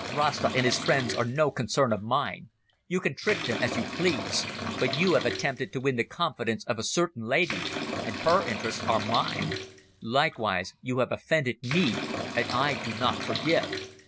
Rasta and his friends are no concern of mine. You can trick them as you please. But you have attempted to win the confidence of a certain lady, and her interests are mine. Likewise you have offended me, and I do not forgive.